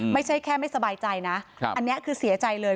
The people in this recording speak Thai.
ไม่ใช่แค่ไม่สบายใจนะอันนี้คือเสียใจเลย